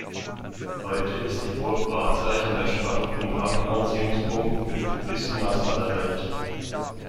Heute ist die Burg Wahrzeichen der Stadt und Hauptanziehungspunkt für Touristen aus aller Welt.